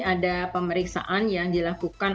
ada pemeriksaan yang dilakukan